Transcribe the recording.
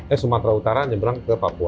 eh sumatera utara nyebrang ke papua